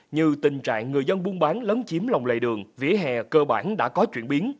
như tình trạng người dân buôn bán lấn chiếm lòng lề đường vỉa hè cơ bản đã có chuyển biến